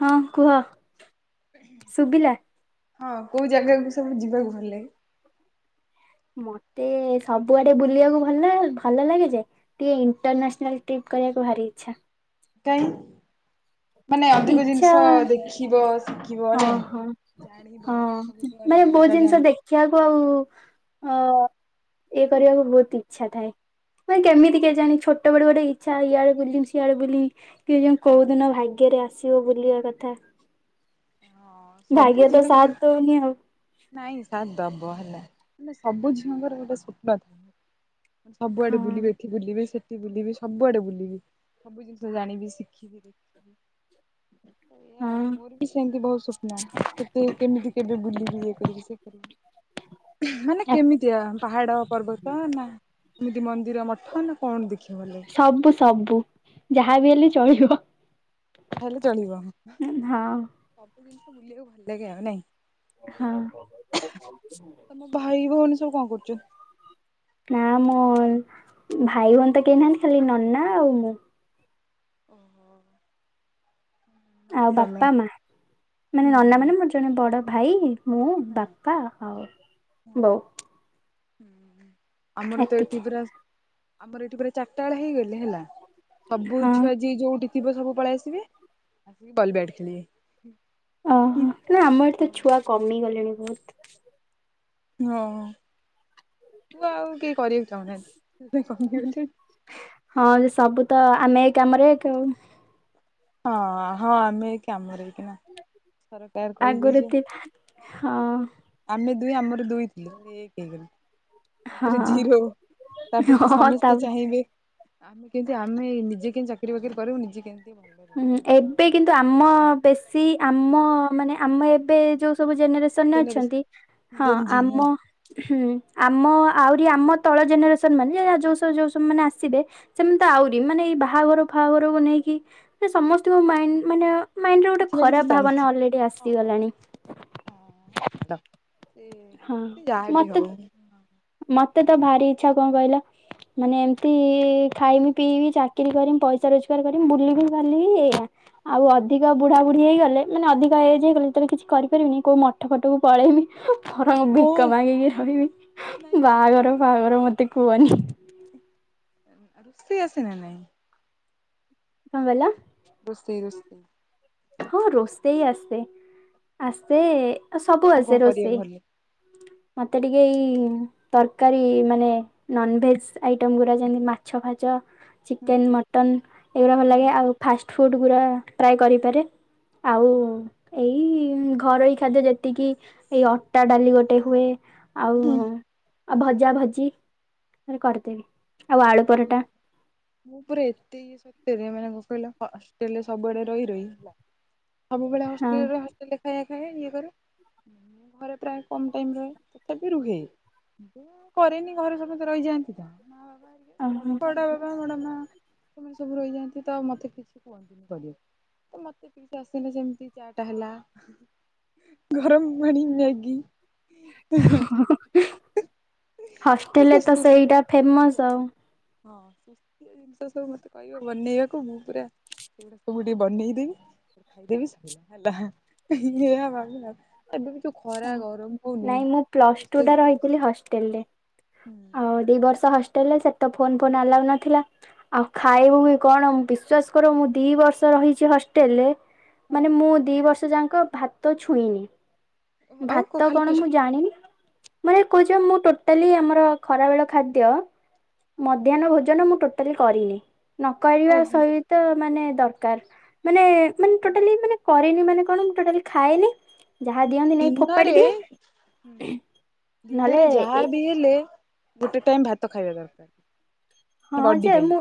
ହଁ କୁହ ଶୁଭିଲା। ହଁ କୋଉ ଜାଗାକୁ ସବୁ ଯିବାକୁ ଭଲ୍ ଲଗେ? ମତେ ସବୁଆଡେ ବୁଲିବାକୁ ଭଲ-ଭଲ ଲାଗେ ଯେ। ଟିକେ ଇଣ୍ଟରନ୍ୟାସନାଲ୍ ଟ୍ରିପ୍ କରିବାକୁ ଭାରି ଇଚ୍ଛା। କାଇଁ? ମାନେ ଅଧିକ ଇଚ୍ଛା ଜିନିଷ ଦେଖିବ ଶିଖିବ ହଁ ନାଇଁ। ହଁ ନୂଆ-ନୂଆ ଜାଗା [unintelligible] ଶିଖିଆକୁ ଆଉ ଅ ଇଏ କରିବାକୁ ବହୁତ୍ ଇଚ୍ଛା ଥାଏ। ମାନେ କେମିତି କେଜାଣି ଛୋଟ ବେଳୁ ଗଟେ ଇଚ୍ଛା ଇଆଡେ ବୁଲିିବି ସିଆଡେ ବୁଲିବି। କେଜାଣି କୋଉଦିନ ଭାଗ୍ୟରେ ଆସିବ ବୁଲିବା କଥା। ହଁ ସବୁ ଭାଗ୍ୟ ତ ଝିଅଙ୍କର ସାଥ ଦଉନି ଆଉ। ନାଇଁ ସାଥ ଦବ ହେଲା ମାନେ ସବୁ ଝିଅଙ୍କର ଗୋଟେ ସ୍ୱପ୍ନ ଥାଏ। ସବୁଆଡେ ହଁ ବୁଲିବେ ଏଠି ବୁଲିବେ ସେଠି ବୁଲିବି ସବୁଆଡେ ବୁଲିବି, ସବୁ ଜିନିଷ ଜାଣିବି ଶିଖିବି। ଏଇଆ ଆଉ ହଁ ମୋର ବି ସେମ୍ତି ବହୁତ୍ ସ୍ୱପ୍ନ କେତେ କେମିତି କେବେ ବୁଲିବି ମାନେ କେମିତିଆ? ପାହାଡ଼ ପର୍ବତ ନା ଏମିତି ମନ୍ଦିର ମଠ ନା କଣ ଦେଖିବ [unintelligible] ସବୁ-ସବୁ, ଯାହାବି ହେଲେ ଚଳିବ। ଯାହାହେଲେ ଚଳିବ, ହଁ ସବୁ ଜିନିଷ ବୁଲିବାକୁ ଭଲ୍ ଲାଗେ ଆଉ ନାଇଁ। ହଁ। ତମ ଭାଇ ଭଉଣି ସବୁ କଣ କରୁଚନ୍ତି? ନାଁ ମୋ ଭାଇ ଭଉଣୀ ତ କେହି ନାହାନ୍ତି ଖାଲି ନନା ଆଉ ମୁଁ। ଓହୋ ଆଉ ବାପା ମା, ହୁଁ ମାନେ ନନା ମାନେ ମୋର ଜଣେ ବଡ ଭାଇ ମୁଁ, ହଁ ବାପା, ଆଉ ବୋଉ। ଆମର ତ ଏତିକି ଏଠି ପୁରା ଆମର ଏଠି ପୁରା ଚାରଟା ବେଳ ହେଇଗଲେ ହେଲା ସବୁ ହଁ ଛୁଆ ଯିଏ ଯୋଉଠି ଥିବ ସବୁ ପଳେଇ ଆସିବେ ଆସିକି ବଲ୍ ବ୍ୟାଟ୍ ଖେଳିବେ। ଅହ ନା ଆମ ଏତେ ଛୁଆ ହଁ କମିଗଲେଣି ବହୁତ୍। ହଁ ହଁ ଛୁଆ ଆଉ କିଏ କରିବାକୁ ଚାହୁଁନାହାନ୍ତି ସେଥିପାଇଁ କମିଗଲେ ହଁ ଯେ ସବୁ ତ ଆମେ ଏଇ କାମରେ କୋ ହଁ ହଁ ଆମେ ଏଇ କାମରେ ହେଇକି ନା ସାର୍ କହିବେ ଆଗରୁ ଯେ ଥିଲା ହଁ ଆମେ ଦୁଇ ଆମର ଦୁଇ ଥିଲୁ ଏବେ ଏକ୍ ହେଇଗଲୁ। ହଁ ତାପରେ ଜିରୋ ତାପରେ ତ ହଁ ସମସ୍ତେ ତାପରେ ଚାହିଁବେ ଆମେ କେମତି ଆମେ ନିଜେ କେମ ଚାକିରି ବାକିରି କରିବୁ ନିଜେ କେମତି ହୁଁ ଏବେ କିନ୍ତୁ ଆମ ବେଶୀ ଆମ ମାନେ ଆମ ଏବେ ଯୋଉ ସବୁ ଜେନେରେସନ୍ ସନ୍ ରେ ଅଛନ୍ତି ଜେନେରେସନ ହଁ ଗେଞ୍ଜି ହଁ ଆମ ହୁଁ ଆମ ଆହୁରି ଆମ ତଳ ଜେନେରେସନ୍ ମାନେ ଯୋଉ ସବୁ ଯୋଉ ଯୋଉ ସବୁ ମାନେ ଆସିବେ ସେମନେ ତ ଆହୁରି ମାନେ ଏଇ ବାହାଘର ଫାହାଘରକୁ ନେଇକି ସମସ୍ତଙ୍କ ମାଇଣ୍ଡ୍ ମାନେ ମାଇଣ୍ଡ୍ ରେ ଗୋଟେ କିଛି ନା କିଛି ଖରାପ ଭାବନା ଚାଲିଛି। ଅଲରେଡି ହଁ ହଁ ଆସିଗଲାଣି। ହଁ ଛାଡ଼ ସେ ହଁ ସେ ଯାହାବି ମତେ ହଉ। ମତେ ତ ଭାରି ଇଛା କଣ କହିଲ ମାନେ ଏମତି ଖାଇମି ପିଇବି ଚାଟା ଚାକିରୀ କରିମି ପଇସା ରୋଜଗାର କରିମି ବୁଲିବି ବାଲିିବି ଏଇଆ। ଆଉ ଅଧିକ ବୁଢା ବୁଢୀ ହେଇଗଲେ ମାନେ ଅଧିକ ଏଜ ହେଇଗଲେ ଯେତବଳେ କିଛି କରିପାରିବିନି କୋଉ ମଠ ଫଟକୁ ପଳେଇମି। ବରଂ ଭିକ ହଁ। ମାଗିକି ରହିବି ନାଇଁ ଭିକ ବାହାଘର ବଫାହାଘର ମତେ କୁହନି। ରୁଷେଇ ଆସେ ନା ନାଇଁ? କଣ କଇଲ ରୋଷେଇ ରୋଷେଇ ହଁ ରୋଷେଇ ଆସେ ଆସେ ଏ ଆ ସବୁ କଣ ଆସେ କଣ କରିବା ରୋଷେଇ ଘରେ? ମତେ ଟିକେ ଏଇ ତରକାରୀ ମାନେ ନନଭେଜ ଆଇଟମ ଗୁଡା ଯେମିତି ମାଛ ଫାଛ। ହୁଁ ଚିକେନ୍ ମଟନ୍ ଏଗୁଡା ଭଲ ହୁଁ ଲାଗେ ଆଉ ଫାଷ୍ଟ ଫୁଡ଼୍ ଗୁରା ପ୍ରାଏ କରିପାରେ। ଆଉ ହୁଁ ଏଇ ଘରୋଇ ଖାଦ୍ୟ ଯେତିକି ଏଇ ଅଟା ଡାଲି ଗୋଟେ ହୁଏ। ଆଉ ହୁଁ ଆଉ ଭଜା ଭଜି ମାନେ କରିଦେବି। ଆଉ ଆଳୁ ପରଟା ଓହୋ ମୁଁ ପୁରା ଏତେ ଇଏ ସତ୍ୟରେ ମାନେ କଣ କହିଲ ହ ହଷ୍ଟେଲରେ ସବୁଆଡେ ରହି ରହି ହେଲା। ସବୁବେଳେ ହଁ ହଷ୍ଟେଲରେ ରହେ ହଷ୍ଟେଲରେ ଖାଇବା ଖାଏ ଇଏ କରେ। ମୁଁ ଘରେ ପ୍ରାୟ କମ୍ ଟାଇମ୍ ରହେ ତଥାବି ରୁହେ। ମୁଁ କରିନି ଘରେ ସମସ୍ତେ ରହିଯାଆନ୍ତି ତ ମା ବାପା। ଓହୋ ବଡ଼ ବାପା ବଡ଼ ମା ସେମାନେ ସବୁ ରହିଯାନ୍ତି ତ ଆଉ ମତେ କିଛି କୁହନ୍ତିନି କରିବାକୁ ମତେ କିସି ଆସେନି ସେମତି ଚା ଟା ହେଲା। ଗରମ ପାଣି ମ୍ୟାଗି। ହେଲା [unintelligible] ହଷ୍ଟେଲ୍ ରେ ଶୁସ୍ ତ ଫୁସ୍ ସେଇଟା ଫେମସ୍ ଆଉ। ହଁ ସୁସ୍ ଜିନିଷ ସବୁ ମତେ କହିବ ବନେଇବା କ ମୁଁ ପୁରା ସେଗୁଡା ସବୁ ଟିକେ ବନେଇଦେବି ଖାଇଦେବି ଶୋଇବି ହେଲା ଏଇଆ ଭାବେ ଆଉ ଏବେ ବି ଯୋଉ ଖରା ଗରମ ହଉନି ନାଇଁ ମୁଁ ପ୍ଲସ୍ ଟୁ ରୋଷେଇ ଟା ଘରେ ରହିଥିଲି ପଶି ହଷ୍ଟେଲି ରେ ଆ ଦି ବର୍ଷ ହଷ୍ଟେଲ ରେ ସେତ ଫୋନ ଫୋ ଆ ନଥିଲା ଆଉ ଖାଇବୁ କଣ ବିସ୍କୁ ବିଶ୍ୱାସ କର ମୁଁ ଦି ବର୍ଷ ରହିଛି ହଷ୍ଟେଲ୍ ରେ ମାନେ ମୁଁ ଦି ବର୍ଷ ଯାଙ୍କ ଭା ଭାତ ଛୁଇଁନି ଆଉ କ ଭାତ ଖାଲି କଣ ମୁଁ ଫାଷ୍ଟଫୁଡ୍। ଜାଣିନି। ମାନେ କହୁଛ ମୁଁ ଟୋଟାଲି ଆମର ଖରାବେଳ ଖାଦ୍ୟ ମଧ୍ୟାହ୍ନ ଭୋଜନ ମୁଁ ଟୋଟା କରିନି ନ କରିବା ଓହୋ ସହିତ ମାନେ ଦରକାର ମାନେ ମାନେ ଟୋଟାଲି ମାନେ କରେନି ମାନେ କଣୋଟାଲି ଖାନି ଯାହା ଦିଅନ୍ତି ନେଇ ଫୋପାଡି ଦିନରେ ଦିଏ ନହେଲେ ଦିନରେ ଯାହା ଏ ବି ହେଲେ ଗୋଟେ ଟାଇମ୍ ଭାତ ଖାଇବା ଦରକାର୍। ହଁ ଯେ ମୁଁ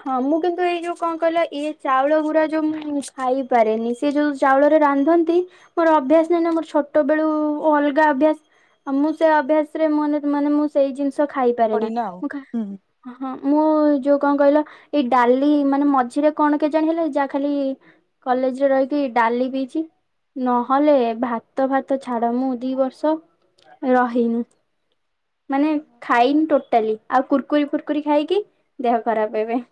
ହଁ ମୁଁ କିନ୍ତୁ ଏଇ ଯୋଉ କଣ କହିଲ ଇଏ ଚାଉଳ ଗୁରା ଯୋଉ ମୁଁ ଖାଇପାରେନି। ସେ ଯୋଉ ଚାଉଳରେ ରାନ୍ଧନ୍ତ ମୋର ଅଭ୍ୟାସ ନାହିଁ ନା ମୋର ଛୋଟ ବେଳୁ ଅଲଗା ଅଭ୍ୟାସ ଆଉ ମୁଁ ସେ ଅଭ୍ୟାସ ରେ ମୁଁ ମାନେ ମୁଁ ସେଇ ଜିନିଷ ଖାଇପାରେ ନା, ପଡିନା ଆଉ ମୁଁ ଖା ହୁଁ। ହଁ ମୁଁ ଯୋଉ କଣ କହିଲ ଏଇ ଡାଲି ମାନେ ମଝିରେ କଣ କେଜାଣି ହେଲେ ଯାହା ଖାଲି କଲେଜ ରେ ରହିକି ଡାଲି ପିଇଛି। ନହେଲେ ଭାତ ଫାତ ଛାଡ ମୁଁ ଦି ବର୍ଷ ରହିନୁ। ମାନେ ଖାଇନି ଟୋଟାଲି, ଆଉ କୁର୍କୁରି ଫୁୁରକୁରି ଖାଇକି ଦେହ ଖରାପ ଏବେ।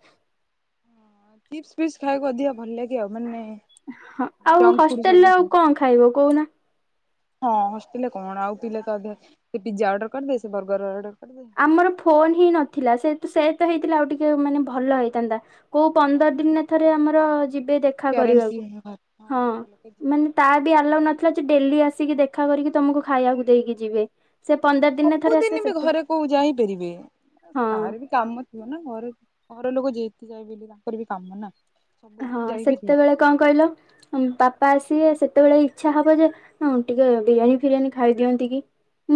ଚିପସ ଫିପ୍ସ୍ ଖାଇବାକୁ ଅଧିକ ଭଲ ଲାଗେ ଆଉ ମାନେ ହଁ ଆଉ ଜଙ୍କ ଫୁଡ ସବୁ ହଷ୍ଟେଲରେ ଆଉ କଣ ଖାଇବ କୋଉନା? ହଁ ହଷ୍ଟେଲରେ କଣ ଆଉ ପିଲା ତ ଅଧା ସେ ପିଜ୍ଜା ଅର୍ଡର କରିଦେ ସେ ବର୍ଗର ଅର୍ଡର କରିଦେ। ଆମର ଫୋନ ହିଁ ନଥିଲା, ସେ ସେ ତ ହେଇଥିଲା ଆଉ ଟିକେ ମାନେ ଭଲ ହେଇଥାନ୍ତା। କୋଉ ପନ୍ଦର ଦିନରେ ଥରେ ଆମର ଯିବେ ଦେଖା ପ୍ୟାରେଣ୍ଟସ୍ କରିବାକୁ, ଯିବେନି ଘର ହଁ। ଘର ଲୋକେ ଯିବେ ମାନେ ତାର ଦେଖିବା ବି ଆଲାଉ ନଥିଲା ଯେ ଡେଲି ଆସିକି ଦେଖା କରିକି ତମକୁ ଖାଇବାକୁ ଦେଇକି ଯିବେ। ସେ ପନ୍ଦର ଦିନରେ ଥରେ ଆସିବେ ସେଥି କୁ ଯାଇପାରିବେ। କାହାର ବି କାମ ଥିବ ନା, ଘର ଘର ଲୋକ ଯେତତି ଯା ତାଙ୍କର ବି କାମ ନା। ସବୁଦିନ ହଁ ଯାଇପାରିବେ ସେତେବେଳେ କଣ କହିଲ, ବାପା ଆସିବେ ସେତେବେଳେ ଇଚ୍ଛା ହବ ଯେ ହଁ ଟିକେ ବିରିୟାନୀ ଫିରିୟାନୀ ଖାଇଦିଅନ୍ତି କି।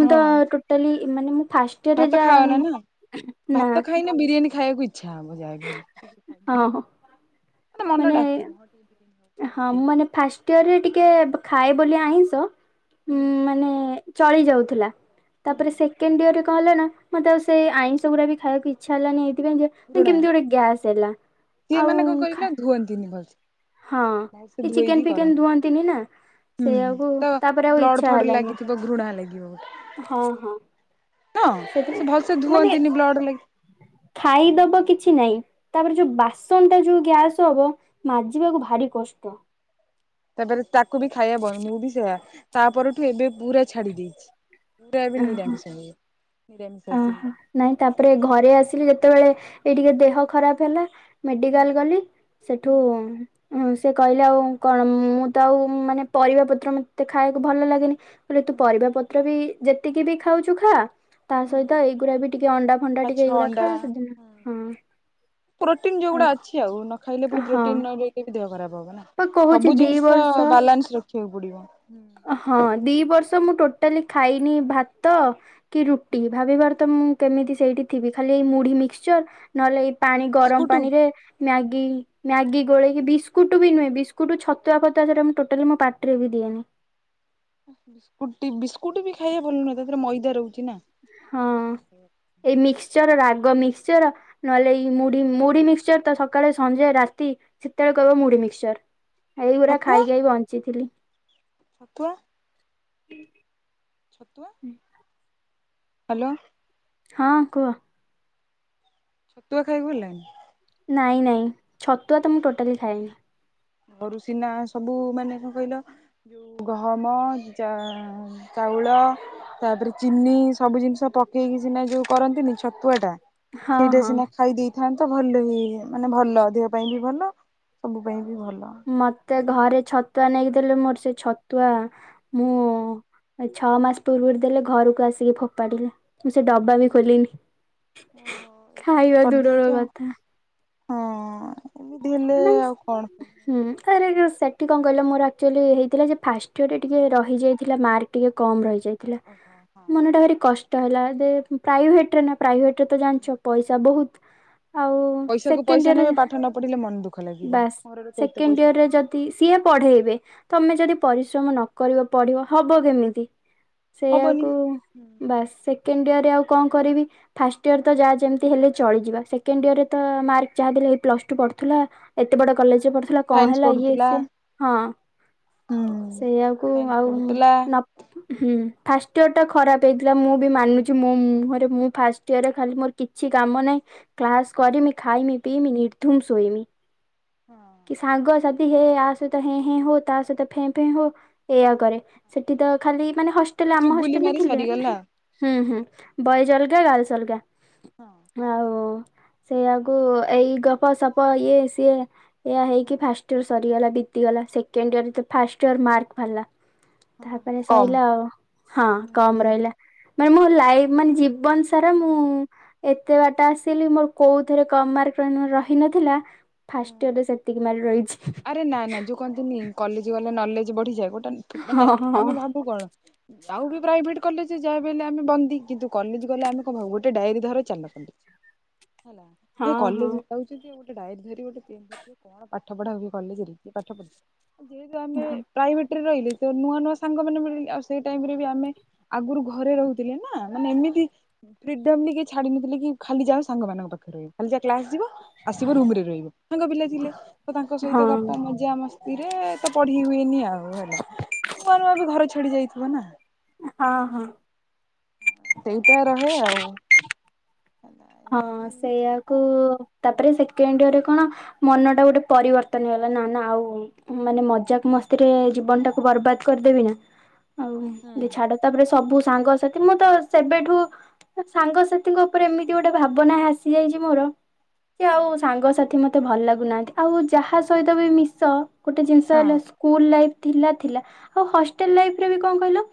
ମୁଁ ତ ହଁ ଟୋଟାଲି ମାନେ ମୁଁ ଫାଷ୍ଟ ଇୟରରେ ଯାହା ନା ବିରିୟାନି ଖାଇବାକୁ ଇଛା ହବ ଯାହା ବି ହେଲେ। ଟିକେ ଖାଇଦିଅ ହଁ ହୋ। ମନ ଡାକିବ। ହଁ ମୁଁ ମାନେ ଫାଷ୍ଟ ଇୟର ରେ ଟିକେ ଖାଏ ବୋଲି ଆଇଁଷ ହୁଁ ଉ ମାନେ ଚଳି ଯାଉଥିଲା, ହୁଁ ତାପରେ ସେ ସେକେଣ୍ଡ ଇୟରରେ କଣ ହେଲା ନା ମତେ ସେଇ ଆଇଁଷ ଗୁଡ଼ା ବି ଖାଇବାକୁ ଇଚ୍ଛା ହେଲାନି ଏଇଥି ପାଇଁ ଯେ ଘୃଣା କେମିତି ଗୋଟେ ଗ୍ୟାସ୍ ହେଲା, ସିଏ ଆଉ ମାନେ କଣ କହିଲ ଖା ଧୁଅନ୍ତିନି ଭଲ ସେ। ହଁ ଏ ଚିକେନ ଫିକେନ ଧୁଅନ୍ତିନି ନା ସେଇଆକୁ ତାପରେ ଆଉ ଇଚଛା ହେଲାନି। ଘୁ -ଘୃଣା ଲାଗିବ। ହଁ ହଁ। ହଁ, ସେଥି ସେ ଭଲ ସେେ ମାନେ ଧୁଅନ୍ତିନି ବ୍ଲଡ ଲାଗି ଖାଇଦବ କିଛି ନାହିଁ, ତାପରେ ଯୋଉ ବାସ ସନ ଟା ଯୋଉ ଗ୍ୟାସ୍ ହବ ମାଜିବାକୁ ଭାରି କଷ୍ଟ। ତାପରେ ତାକୁ ବି ଖାଇବା ବନ ମୁଁ ବି ସେଆ ତାପରଠୁ ଏବେ ପୁରା ଛାଡ଼ି ଦେଇଛି, ପୁରା ଏବେ ନିରାମିଷ ହେଇ ନିରାମିସାସି ହେ ଓହୋ ନାଇଁ ତାପରେ ଘରେ ଆସିଲି ଯେତେବେଳେ ଏଇ ଟିକେ ଦେହ ଖରାପ ହେଲା ମେଡିକାଲ୍ ଗଲି, ସେଠୁ ଉଁ, ସେ କହିଲେ ଆଉ କଣ ମୁଁ ତ ଆଉ ମାନେ ପରିବା ପତ୍ର ମତେ ଖାଇବାକୁ ଭଲ ଲାଗେନି। ତାପରେ ତୁ ପରିବା ପତ୍ର ବି ଯେତିକି ବି ଖାଉଛୁ ଖା ତା ସହିତ ଏଇଗୁଡା ବି ଟିକେ ଅଣ୍ଡା, ଫଣ୍ଡା ଟିକେ ଆଚ୍ଛା ଏଇଗୁୁରା ଅଣ୍ଡା ଖା, ସେଦିନ ହଁ। ପ୍ରୋଟିନ ଯୋଉଗୁଡା ଅଛି ଆଉ ନ ଖାଇଲେ ପୁଣି ହଁ ପ୍ରୋଟିନ ନ ହେଲେ ବି ଦେହ ଖରାପ ହବ ନା। ବା କହୁଛି ସବୁ ଦି ଜିନିଷ ବର୍ଷ ବାଲାନ୍ସ ରଖିବାକୁ ପଡିବ। ହଁ, ଦି ବର୍ଷ ମୁଁ ଟୋଟାଲି ଖାଇନି ଭାତ କି ରୁଟି, ଭାବି ପାରୁ ଥିବ ତ ମୁଁ କେମିତି ସେଇଠି ଥିବି, ଖାଲି ଏଇ ମୁଢି ମିକ୍ସଚର ନ ହେଲେ ଏଇ ପାଣି ଗରମ ବିସ୍କୁଟ ପାଣି ରେ ମ୍ୟାଗି, ମ୍ୟାଗି ଗୋଳେଇକି, ବିସ୍କୁଟ ବି ନୁହେଁ ବିସ୍କୁଟ ଛତୁଆ ଫତୁଆ ମୁଁ ଟୋଟାଲି ମୋ ପାଟିରେ ବି ଦିଏନି। ବିସ୍କୁଟି, ବିସ୍କୁଟ ବି ଖାଇବା ଭଲ ନୁହେଁ ତା ଦେହରେ ମଇଦା ରହୁଛି ନା। ହଁ, ଏଇ ମିକ୍ସଚର ରାଗ ମିକ୍ସଚର ନ ହେଲେ ଏଇ ମୁଢି ମୁଢି ମିକ୍ସଚର ତ ସକାଳେ, ସଞ୍ଜ, ରାତି ସେତେବେଳେ କହିବ ମୁଢି ମିକ୍ସଚର। ଏଇ ଗୁୁରା ଛତୁଆ ଖାଇ ଖାଇ ବଞ୍ଚିଥିଲି। ଛତୁଆ ଛତୁଆ ହାଲୋ ହଁ, କୁହ। ଛତୁଆ ଖାଇବା କୁ ଭଲ ଲାଗେନା। ନାଇଁ, ନାଇଁ ଛତୁଆ ତ ମୁଁ ଟୋଟାଲି ଖାଏନି। ଘରୁ ସିନା ସବୁ ମାନେ କଣ କହିଲ ଯୋଉ ଗହମ ଜା ଚାଉଳ ତା ପରେ ଚିନି ସବୁ ଜିନିଷ ପକେଇକି ସିନା ଯେଉଁ କରନ୍ତିନି ଛତୁଆଟା। ହଁ ସେଇଟା ହଁ। ସିନା ଖାଇ ଦେଇ ଥାଆନ୍ତ ତ ଭଲ ହି ମାନେ ଭଲ ଦେହ ପାଇଁ ବି ଭଲ ସବୁ ପାଇଁ ବି ଭଲ। ମତେ ଖାଇଥା ଘରେ ଛତୁଆ ନେଇକି ଦେଲେ ମୋର ସେଇ ଛତୁଆ ମୁଁ ଛଅ ମାସ୍ ପୂର୍ବରୁ ଦେଲେ ଘରକୁ ଆସିକି ଫୋପାଡିଲି ମୁଁ ସେ ଡବା ବି ଖୋଲିନି। ଓହୋ ଏମିତି ଖାଇବା ଦୂରର କରିଦେଉଛ କଥା ଆଉ ହଁ ଏମିତି ହେଲେ ମାନେ ଆଉ କଣ ହୁଁ ଆରେ ଆରେ ସେଠି କଣ କହିଲ ମୋର ଆକ୍ଚୁଆଲି ହେଇଥିଲା ଯେ ଫାଷ୍ଟ ଇୟର ରେ ଟିକେ ରହିଯାଇଥିଲା ମାର୍କ ଟିକେ କମ ରହି ଯାଇଥିଲା ଓହୋ ହଁ ମନଟା ଭାରି କଷ୍ଟ ହେଲା ପ୍ରାଇଭେଟରେ ନା ପ୍ରାଇଭେଟ୍ ରେ ତ ଜାଣିଛ ପଇସା ବହୁତ୍ ପଇସାକୁ ପଇସା ନେବେ ପାଠ ନ ପଢିଲେ ମନ ଦୁଃଖ ଲାଗିବ ବାସ୍ ଘର ଲୋକ ଏତେ ସେକେଣ୍ଡ ପଇସା ଦଉ ଇୟରରେ ଯଦି ସିଏ ପଢେଇ ବେ ତମେ ଯଦି ପରିଶ୍ରମ ନ କରିବ ପଢିବ ହବ କେମିତି ହବନି। ସେଇଆକୁ ବା ସେକେଣ୍ଡ୍ ଇୟର ରେ ଆଉ କଣ କରିବି। ଫାଷ୍ଟ ଇୟର ତ ଯାହା ଯେମିତି ହେଲେ ଚଳିଯିବ, ସେକେଣ୍ଡ ଇୟର ରେ ତ ମାର୍କ ଯାହା ବି ହେଲେ ପ୍ଲସ ଟୁ ପଢ଼ୁଥିଲା। ଏତେ ବଡ଼ କଲେଜ୍ ରେ ପଢୁଥିଲା। କଣ ସାଇନ୍ସ ହେଲା ଇଏ ପଢୁଥିଲା ସି ହଁ ହୁଁ ସେଇଆକୁ ସାଇନ୍ସ ଆଉ ପଢୁଥିଲା। ହୁଁ, ଫାଷ୍ଟ ଇୟର ଟା ଖରାପ ହେଇଥିଲା, ମୁଁ ବି ମାନୁଛି ମୋ ମୁହଁରେ ମୁଁ ଫାଷ୍ଟ ଇୟରରେ ଖାଲି ମୋର କିଛି କାମ ନାହିଁ, କ୍ଲାସ କରିମି, ଖାଇମି, ପିଇମି, ନିର୍ଦ୍ଧୁମ ଶୋଇମି। ହଁ କି ସାଙ୍ଗ ସାଥୀ ଆ ସହିତ ହେଁ, ହେଁ ହଉ ତା ସହିତ ଫେଁ, ଫେଁ ହୋ। ଏଇଆ କରେ ସେଠି ତ ଖାଲି ମାନେ ହଷ୍ଟେଲ୍ ପୁରା ଆମ ଚୁଗୁଲି ହଷ୍ଟେଲ୍ ମାରି ଥିଲେ ସରିଗଲା। ହୁଁ, ହୁଁ ବଏଜ୍ ଅଲଗା ଗାର୍ଲସ୍ ଅଲଗା ଆଉ କଅଣ ସେଇଆକୁ ଏଇ ଗପସପ ଇଏ ସିଏ ଏଇଆ ହେଇକି ଫାଷ୍ଟ୍ ସଗଗଲା ବିତିଗଲା ସେକେଣ୍ଡୟଅର ଯେତେ ଫାର୍ଷ୍ଟ ୟଅର୍ ମାର୍କ ବାହାରିଲା। ତା ପରେ କମ୍ ସଇଲା ଆଉ ହଁ କମ୍ ରହିଲା। ମାନେ ମୋ ଲାଇଫ୍ ମାନେ ଜୀବନ ସାରା ମୁଁ ଏତେ ବାଟ ଆସିଲି ମୋର କୋଉ ଥରେ କମ୍ ମାର୍କ ରହି ନଥିଲା। ହଁ ଆରେ ନା ନା ଯୋଉ କହନ୍ତି ନି। କଲେଜ ଗଲେ ନଲେଜ ବଢିଯାଏ ଗୋଟେ ହଁ ମାନେ ହଁ ଆମେ ଭାବୁ କଣ ଆଉ ବି ପ୍ରାଇଭେଟ କଲେଜ ଯାହା ବଲେ ଆମେ ବନ୍ଦି କିନ୍ତୁ କଲେଜ ଗଲେ ଆମେ ଭାବୁ ଗୋଟେ ଡାଇରିୀ ଧର ଚାଲ। ହେଲା ସେ ହଁ ହଁ କଲେଜ୍ ଯାଉଛି ଯେ ଗୋଟେ ଡାଏରୀ ଭେରି କଣ ପାଠ ପଢା ହୁଏ କଲେଜରେ କିଏ ପାଠ ପଢ଼େ। ଯେହେତୁ ଆମେ ପ୍ରାଇଭେଟ୍ ରେ ରହିଲେ। ତ ନୂଆ ନୂଆ ସାଙ୍ଗ ମାନେ ମିିଲ ଆଉ ସେଇ ଟାଇମରେ ବି ଆମେ ଆଗରୁ ଘରେ ରହୁଥିଲେ ନା ମାନେ ଏମିତି। ଫ୍ରୀଡମ କିଏ ଛାଡି଼ ନଥିଲେ କି ଖାଲି ଯାଉ ସାଙ୍ଗମାନଙ୍କ ପାଖରେ ରହ ଖାଲି ଯାହା କ୍ଲାସ୍ ଯିବ। ଆସିବ ରୁମ୍ ରେ ରହିବ ସାଙ୍ଗ ପିଲା ଥିଲେ ତ ତାଙ୍କ ସହିତ ହଁ ଗପ। ମଜା ମସ୍ତିରେ ତ ପଢି଼ ହୁଏନି ଆଉ ହେଲା ନୂଆ ନୂଆ ବି ଘର ଛାଡି଼ ଯାଇଥିଲୁ ନା। ହଁ ହଁ ସେଇଟା ରହେ ଆଉ। ହେଲା ହଁ ଏମିତି ସେଇଆକୁ ତାପରେ ସେକେଣ୍ଡରେ କଅଣ। ମନ ଟା ଗୋଟେ ପରିବର୍ତ୍ତନ ହେଇଗଲା ନା ନା ଆଉ। ମାନେ ମଜାକ୍ ମସ୍ତିରେ ଜୀବନ ଟାକୁ ବର୍ବାଦ କରିଦେବି ନା, ଆଉ ହୁଁ ଯେ ଛାଡ। ତା'ପରେ ସବୁ ସାଙ୍ଗସାଥି ମୁଁ ତ ସେବେଠୁ ସାଙ୍ଗସାଥିଙ୍କ ଉପରେ ଏମିତ୍ ତି ଗୋଟେ ଭାବନା ଆସି ଯାଇଛି ମୋର, ସେ ଆଉ ସାଙ୍ଗସାଥି ମତ୍ ମତେ ଭଲ ଲାଗୁନାହାଁନ୍ତି। ଆଉ ଯାହା ସହିତ ବି ମିଶ ଗୋଟେ ଜିନିଷ ହଁ ହେଲା ସ୍କୁଲ ଲାଇଫ୍ ଥିଲା ଥିଲା ଆଉ, ହଷ୍ଟେଲ ଲାଇଫ୍ ରେ ବି କଣ କହିଲ?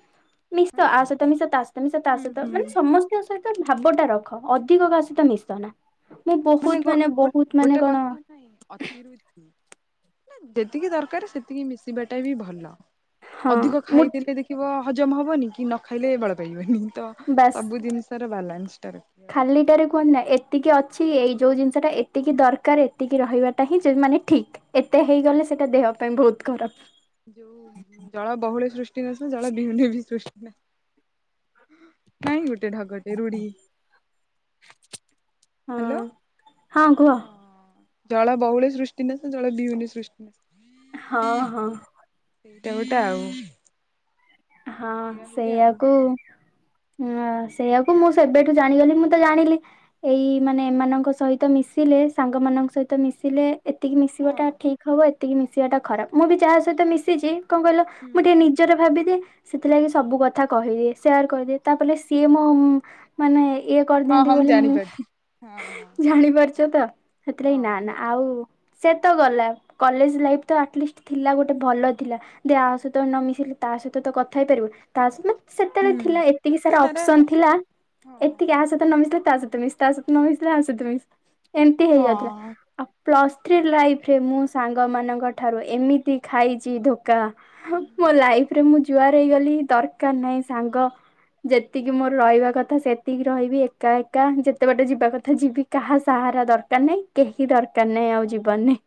ମିଶ, ହଁ ଆ ସଇତ ମିଶ, ତା ସଇତ ମିଶ, ତା ହୁଁ ସଇତ ହୁଁ ମାନେ, ସମସ୍ତଙ୍କ ସହିତ ଭାବଟା ରଖ ଅଧିକ କା ସଇତ ମିଶ ନା, ମୁଁ ବହୁତ ମାନେ ବହୁତ ମାନେ କଣ ଅତି ରୁ ଇତି, ଯେତିକି ଦରକାର ସେତିକି ମିଶିବାଟା ବି ଭଲ। ହଁ ଅଧିକ ମୁଁ ଖାଇଦେଲେ ଦେଖିବ ହଜମ ହବନି। କି, ନ ଖାଇଲେ ବଳ ପାଇବନି ତ ବାସ୍ ସବୁ ଜିନିଷ ର ବାଲାନ୍ସ ଟା ରଖିବାଟା ଠିକ୍। ଖାଲିଟାରେ କୁହନ୍ତି ନା, ଏତିକି ଅଛି, ଏଇ ଯଉ ଜିନିଷଟା ଏତିକି ଦରକାର, ଏତିକି ରହିବାଟା ହିଁ ମାନେ ଠିକ୍। ଏତେ ହଁ ହେଇଗଲେ ସେଟା ଦେହ ପାଇଁ ବହୁତ ଖରାପ। ଯୋଉ ଜଳ ବହୁଳେ ସୃଷ୍ଟି ନାଶ, ଜଳ ବିହୁନେ ବି ସୃଷ୍ଟି ନାଶ। ନାଇଁ, ଗୋଟେ ଢଗ ଟେ ରୁଢି। ହଁ ହ୍ୟାଲୋ! ହଁ, ଜଳ ବହୁଳେ ସୃଷ୍ଟି ନାଶ, ଜଳ ବିହୁନେ ସୃଷ୍ଟି ନାଶ। ହଁ, ହଁ। [unintelligible] ହଁ, ସେଇଆ ହୁଏ ଆଉ ସେଇଆକୁ ହଁ, ସେଇଆାକୁ ମୁଁ ସେବେଠୁ ଜାଣିଗଲି, ମୁଁ ତ ଜାଣିଲି। ଏଇ ମାନେ ଏମାନଙ୍କ ସହିତ ମିଶିଲେ, ସାଙ୍ଗ ମାନଙ୍କ ସହିତ ମିଶିଲେ। ଏତିକି ହଁ ମିଶିବାଟା ଠିକ୍ ହବ, ଏତିକି ମିଶିବାଟା ଖରାପ। ମୁଁ ବି ଯାହା ସହିତ ମିଶିଛି କଣ କହିଲ! ହୁଁ ମୁଁ ଟିକେ ନିଜର ଭାବିଦିଏ। ସେଥିଲାଗି ସବୁ କଥା କହିଦିଏ, ସେୟାର କରିଦିଏ। ତାପଲେ ସିଏ ମୋମ୍ ମାନେ ଇଏ ହଁ କରିଦିଅନ୍ତି ହଁ ବୋଲି ମୁଁ ଜାଣିପାରୁଛି ହଁ ହଁ। ଜାଣିପାରୁଛ ତ ହଁ ସେଥିଲାଗି, ନା, ମୁଁ ନା, ଜାଣି ଆଉ ସେ ତ ଗଲା। କଲେଜ ଲାଇଫ୍ ତ ଆଟଲିଷ୍ଟ ଥିଲା ଗୋଟେ ଭଲ ଥିଲା, ଦେ ଆ ସହିତ ନ ମିଶିଲି ତା ସହିତ କଥ୍ ଥାଇପାରିବୁ, ତା [unintelligible] ସେତେବେଳେ ହୁଁ ଏତିକି ଏତେ ସାରା ଅପ୍ସନ ଥିଲା, ହଁ। ଏତ୍ ଟିକେ ଆ ସହିତ ନ ମିଶିଲେ, ତା ସହିତ ମିଶ ତା ସହିତ ନ ମିିଶିଲେ, ଆ ସହିତ ମିଶ୍। ଏମିତି ହଁ। ହେଇଯାଉଥିଲା। ପ୍ଲସ୍ ଥ୍ରୀ ଲାଇଫ୍ ରେ, ମୁଁ ସାଙ୍ଗମାନଙ୍କ ଠାରୁ ଏମିତି ଖାଇଛି ଧୋକ୍ କା ମୋ ଲାଇଫ୍ ରେ, ମୁଁ ଜୁଆର ହେଇଗଲି, ଦରକାର ନାହିଁ ସାଙ୍ଗ। ଯେତିକି ମୋର ରହିବା କଥା, ସେତିକି ରହିବି ଏକା ଏକା ଯେତେ ବାଟେ ଯିବା କଥା ଯିବି। କାହା ସାହାରା ଦରକାର ନାହିଁ। କେହି ଦରକାର ନାହିଁ ଆଉ ଜୀବନେ।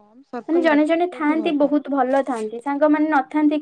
କମ ସର୍କଲ ରଖିବା ଟା ବି ଥାଆନ୍ତି ଭଲ। ବହୁତ ଭଲ ଥାଆନ୍ତି। ସାଙ୍ଗମାନେ ନଥାନ୍ତିକି